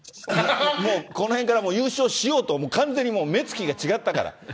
もうこのへんから優勝しようと、完全に目つきが違ったから。